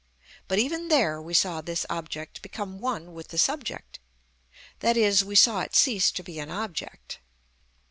But even there we saw this object become one with the subject; that is, we saw it cease to be an object.